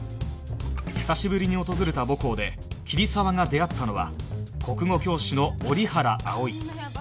久しぶりに訪れた母校で桐沢が出会ったのは国語教師の折原葵